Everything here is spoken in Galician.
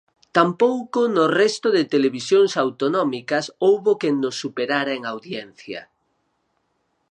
Tampouco no resto de televisións autonómicas houbo quen nos superara en audiencia.